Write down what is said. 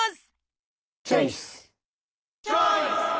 チョイス！